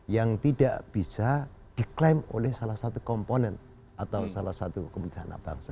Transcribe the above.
yang tidak bisa diklaim oleh salah satu komponen atau salah satu kebutuhan anak bangsa